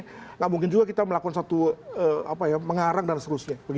tidak mungkin juga kita melakukan satu apa ya mengarang dan seterusnya